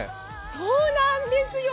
そうなんですよ。